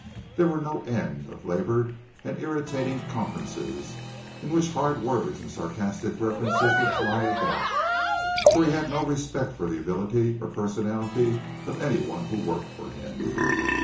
There were no end of labored and irritating conferences in which hard words and sarcastic references would fly about, for he had no respect for the ability or personality of anyone who worked for him.